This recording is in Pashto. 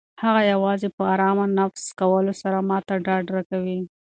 هغه یوازې په ارامه تنفس کولو سره ما ته ډاډ راکوي.